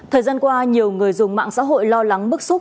thời gian qua nhiều người dùng mạng xã hội lo lắng bức xúc